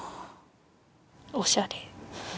おしゃれ。